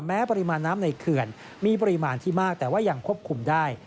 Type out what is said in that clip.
ปริมาณน้ำในเขื่อนมีปริมาณที่มากแต่ว่ายังควบคุมได้